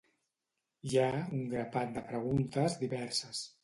Hi ha un grapat de preguntes diverses.